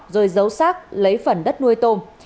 rồi giấu xác lấy phần đất nuôi tôm